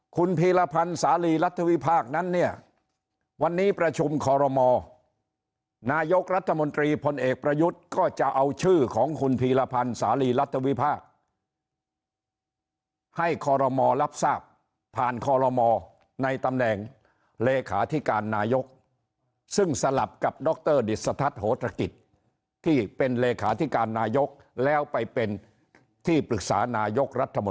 คุณพีรพันธ์สาลีรัฐวิพากษ์นั้นเนี่ยวันนี้ประชุมคอรมอนายกรัฐมนตรีพลเอกประยุทธ์ก็จะเอาชื่อของคุณพีรพันธ์สาลีรัฐวิพากษ์ให้คอรมอรับทราบผ่านคอลโลมในตำแหน่งเลขาธิการนายกซึ่งสลับกับดรดิสทัศน์โหตรกิจที่เป็นเลขาธิการนายกแล้วไปเป็นที่ปรึกษานายกรัฐมนตรี